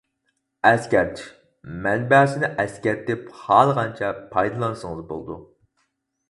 ئەسكەرتىش: مەنبەسىنى ئەسكەرتىپ خالىغانچە پايدىلانسىڭىز بولىدۇ.